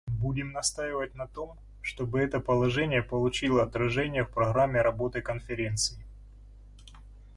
Будем настаивать на том, чтобы это положение получило отражение в программе работы Конференции.